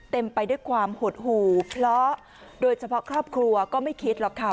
ไปด้วยความหดหู่เพราะโดยเฉพาะครอบครัวก็ไม่คิดหรอกค่ะ